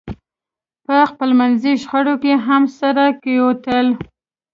په خپلمنځي شخړو کې هم سره کېوتل.